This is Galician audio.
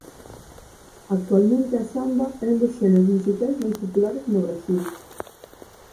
Actualmente a samba é un dos xéneros musicais máis populares no Brasil.